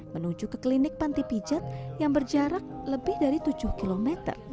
menuju ke klinik panti pijat yang berjarak lebih dari tujuh km